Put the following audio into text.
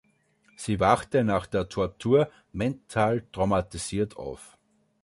Sie wachte nach der Tortur mental traumatisiert auf.